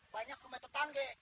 banyak rumah tetangga